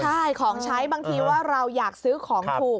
ใช่ของใช้บางทีว่าเราอยากซื้อของถูก